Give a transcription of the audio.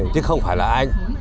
chứ không phải là anh